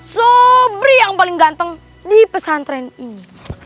sobri yang paling ganteng di pesantren ini